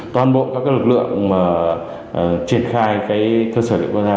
toàn bộ các lực lượng triển khai cơ sở liệu quốc gia